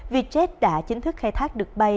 vietjet đã chính thức khai thác được bay